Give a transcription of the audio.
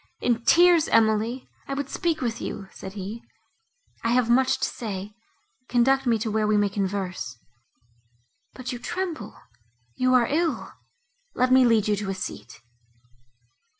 "In tears, Emily! I would speak with you," said he, "I have much to say; conduct me to where we may converse. But you tremble—you are ill! Let me lead you to a seat."